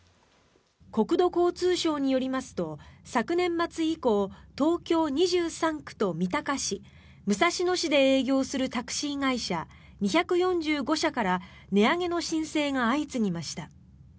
国土交通省によりますと昨年末以降東京２３区と三鷹市、武蔵野市で営業するタクシー会社２４５社から値上げの申請が相次ぎました。